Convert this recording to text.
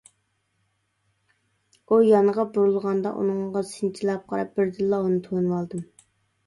ئۇ يانغا بۇرۇلغاندا ئۇنىڭغا سىنچىلاپ قاراپ، بىردىنلا ئۇنى تونۇۋالدىم.